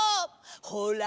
ほら。